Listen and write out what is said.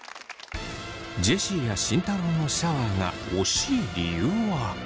ジェシーや慎太郎のシャワーが惜しい理由は。